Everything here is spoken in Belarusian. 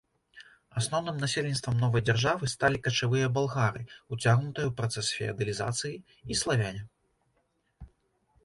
Асноўным насельніцтвам новай дзяржавы сталі качавыя балгары, уцягнутыя ў працэс феадалізацыі, і славяне.